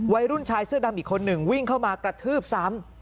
วัยรุ่นชายเสื้อดำอีกคนหนึ่งวิ่งเข้ามากระทืบซ้ำ